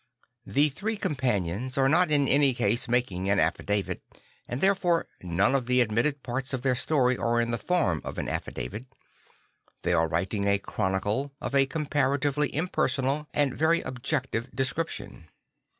The Three Companions are not in any case making an affidavit; and therefore none of the admitted parts of their story are in the form of an affidavit. They are writing a chronicle of a comparatively impersonal and very objective description.